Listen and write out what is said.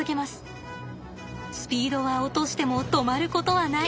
スピードは落としても止まることはない。